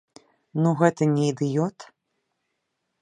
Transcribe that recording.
Ну гэта не ідыёт?